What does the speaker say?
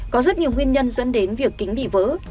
có rất nhiều nguyên nhân dẫn đến việc kính bị vỡ